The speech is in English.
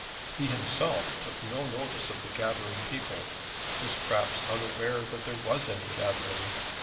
He himself took no notice of the gathering people, was perhaps unaware that there was any gathering.